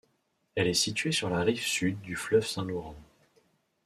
Elle est située sur la rive sud du fleuve Saint-Laurent.